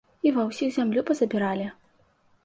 І ва ўсіх зямлю пазабіралі.